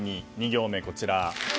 ２行目はこちら。